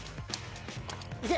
いけ！